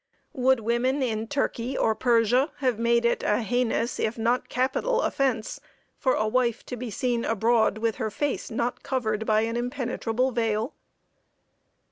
Would women in Turkey or Persia have made it a heinous, if not capital, offence for a wife to be seen abroad with her face not covered by an impenetrable veil?